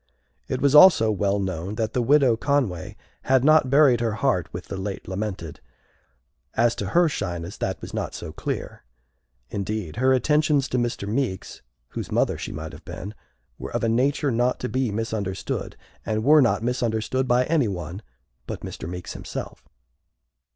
It was also well known that the Widow Conway had not buried her heart with the late lamented. As to her shyness, that was not so clear. Indeed, her attentions to Mr. Meeks, whose mother she might have been, were of a nature not to be misunderstood, and were not misunderstood by anyone but Mr. Meeks himself.